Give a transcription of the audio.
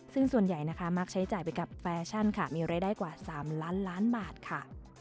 ซึ่งส่วนใหญ่นะคะมักใช้จ่ายไปกับแฟชั่นค่ะมีรายได้กว่า๓ล้านล้านบาทค่ะ